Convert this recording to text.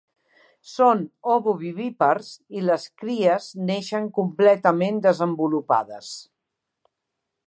Són ovovivípars i les cries neixen completament desenvolupades.